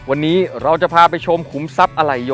ครับวันนี้เราจะพาไปชมขุมทรัพย์อลัยยนต์เลือกอย่างไรให้ได้ของดี